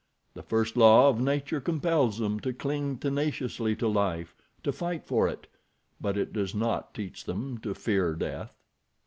The first law of nature compels them to cling tenaciously to life—to fight for it; but it does not teach them to fear death.